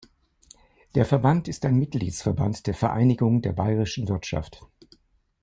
Der Verband ist ein Mitgliedsverband der Vereinigung der Bayerischen Wirtschaft.